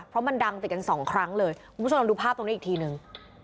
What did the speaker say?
เพราะมันดังติดกันสองครั้งเลยคุณผู้ชมลองดูภาพตรงนี้อีกทีนึง